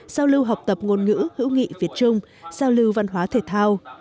giao lưu học tập ngôn ngữ hữu nghị việt trung giao lưu văn hóa thể thao